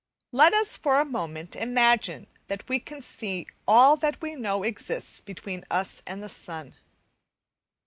Let us for a moment imagine that we can see all that we know exists between us and the sun.